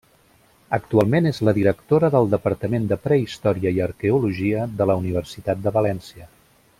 Actualment és la directora del Departament de Prehistòria i Arqueologia de la Universitat de València.